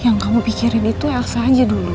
yang kamu pikirin itu elsa aja dulu